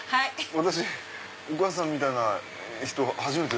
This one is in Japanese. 私お母さんみたいな人初めて。